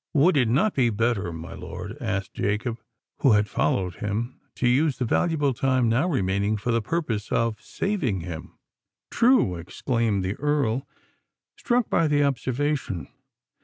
"Would it not be better, my lord," asked Jacob, who had followed him, "to use the valuable time now remaining, for the purpose of saving him?" "True!" exclaimed the Earl, struck by the observation.